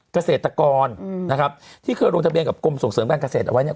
เกษตรกรนะครับที่เคยลงทะเบียนกับกรมส่งเสริมการเกษตรเอาไว้เนี่ย